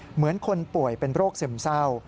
เหมือนคนป่วยเป็นโรคซึมเศร้า